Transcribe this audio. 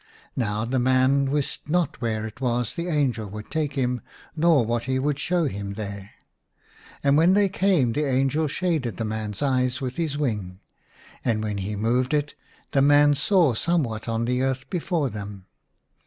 Now the man wist not where it was the angel would take him nor what he would show him there. And when they came lo8 IN A RUINED CHAPEL. the angel shaded the man's eyes with his wing, and when he moved it the man saw somewhat on the earth before them.